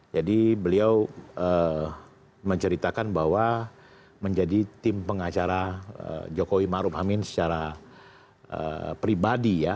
jadi beliau menceritakan bahwa menjadi tim pengacara jokowi maruf amin secara pribadi ya